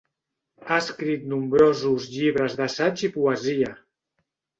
Ha escrit nombrosos llibres d'assaig i poesia.